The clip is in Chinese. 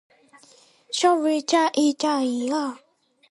承载着一代人的记忆